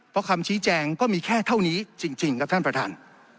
เพราะคำชี้แจงก็มีแค่เท่านี้จริงครับท่านประธาน